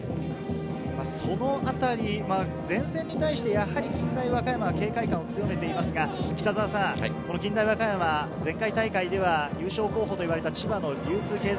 そのあたり、前線に対して近大和歌山は警戒感を強めていますが、近大和歌山、前回大会では優勝候補といわれた千葉の流通経済